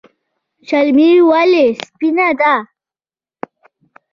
چمیلی ولې سپین دی؟